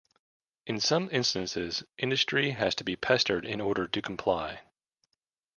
In some instances, industry has to be pestered in order to comply.